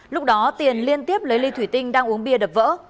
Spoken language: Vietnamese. lúc đó tiền liên tiếp lấy ly thủy tinh đang uống bia đập vỡ